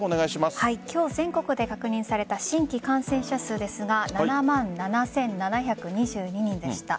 今日、全国で確認された新規感染者数ですが７万７７２２人でした。